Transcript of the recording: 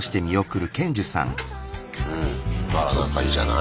うんあら仲いいじゃない。